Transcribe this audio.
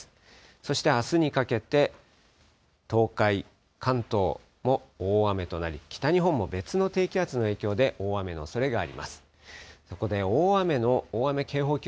そしてあすにかけて、東海、関東も大雨となり、北日本も別の低気圧の影響で、大雨のおそれがあります。